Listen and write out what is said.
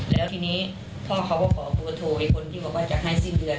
แล้วทีนี้พ่อเขาก็ขอโทรไอ้คนที่บอกว่าจะให้สิ้นเดือน